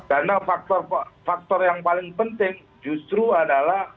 karena faktor faktor yang paling penting justru adalah